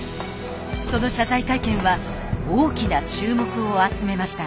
その謝罪会見は大きな注目を集めました。